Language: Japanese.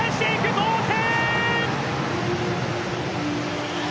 同点！！